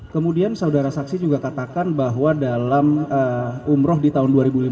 kemudian saudara saksi juga katakan bahwa dalam umroh di tahun dua ribu lima belas